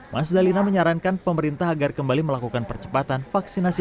mas dalina menyarankan pemerintah agar kembali melakukan percepatan vaksinasi